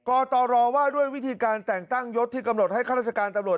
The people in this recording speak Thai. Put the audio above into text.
กตรว่าด้วยวิธีการแต่งตั้งยศที่กำหนดให้ข้าราชการตำรวจ